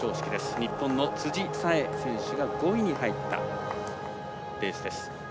日本の辻沙絵選手が５位に入ったレースです。